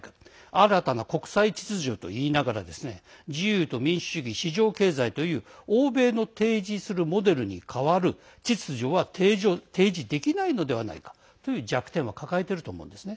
新たな国際秩序といいながら自由と民主主義、市場経済という欧米の提示するモデルに代わる秩序は提示できないのではないかという弱点は抱えてると思うんですね。